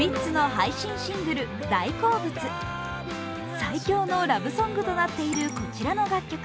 最強のラブソンクとなっているこちらの楽曲。